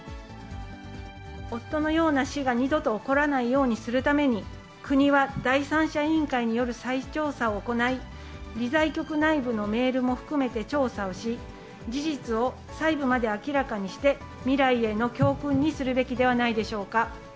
夫のような死が二度と起こらないようにするために、国は第三者委員会による再調査を行い、理財局内部のメールも含めて調査をし、事実を細部まで明らかにして、未来への教訓にするべきではないでしょうか。